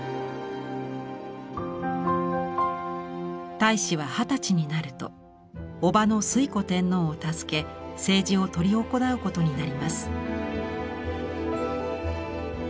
太子は二十歳になると叔母の推古天皇を助け政治を執り行うことになります。